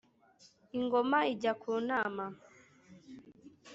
Ingoma ijya ku nama